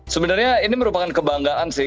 sebenarnya ini merupakan kebanggaan sih